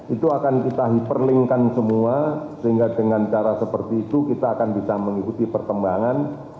itu akan kita hyperlinkan semua sehingga dengan cara seperti itu kita akan bisa mengikuti perkembangan kasus ini dengan baik